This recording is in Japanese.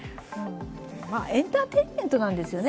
エンターテインメントなんですよね。